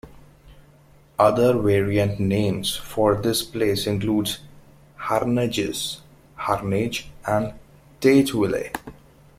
Other variant names for this place include Harnages, Harnage, and Tateville.